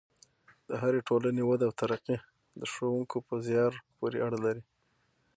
د هرې ټولنې وده او ترقي د ښوونکو په زیار پورې اړه لري.